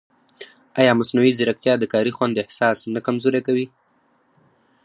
ایا مصنوعي ځیرکتیا د کاري خوند احساس نه کمزورې کوي؟